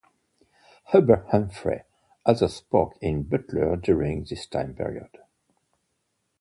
Hubert Humphrey also spoke in Butler during this time period.